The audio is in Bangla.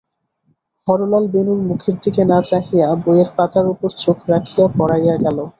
হরলাল বেণুর মুখের দিকে না চাহিয়া বইয়ের পাতার উপর চোখ রাখিয়া পড়াইয়া গেল।